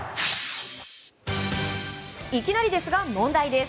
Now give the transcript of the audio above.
いきなりですが問題です。